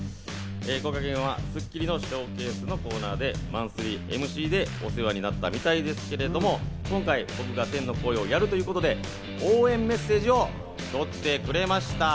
こがけんは『スッキリ』のＳＨＯＷＣＡＳＥのコーナーでマンスリーＭＣでお世話になったみたいですけれども、今回、僕が天の声をやるということで応援メッセージを取ってくれました。